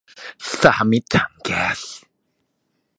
สหมิตรถังแก๊ส